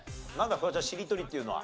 フワちゃんしりとりっていうのは。